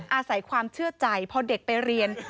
อาศัยความเชื่อใจพอเด็กไปเรียน